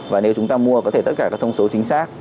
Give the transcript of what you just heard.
và nếu chúng ta mua có thể tất cả các thông số chính xác